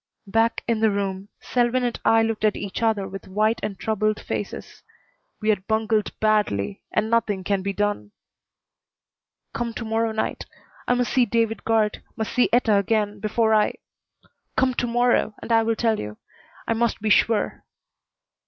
Back in the room Selwyn and I looked at each other with white and troubled faces. We had bungled badly and nothing had been done. "Come to morrow night. I must see David Guard, must see Etta again, before I Come to morrow and I will tell you. I must be sure."